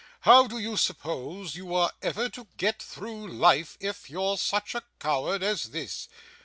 How do you suppose you are ever to get through life, if you're such a coward as this?